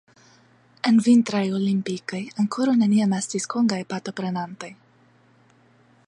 En vintraj olimpikoj ankoraŭ neniam estis kongaj partoprenantoj.